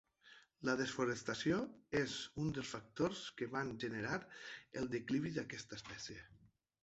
La desforestació és un dels factors que van generar el declivi d"aquesta espècie.